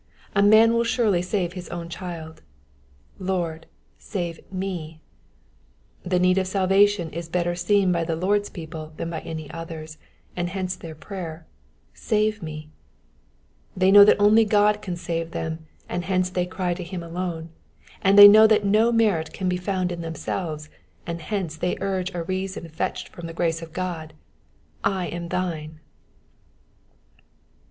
A man will surely save his own child : Lord, save me. The need of salvation is better seen by the Lord's people than by any others, and hence their prayer —*' save me" ; they know that only God can save them, and hence they cry to him alone ; and they know that no merit can be found in themselves, and hence they urge a reason fetched from the grace of God, —*' I am thine."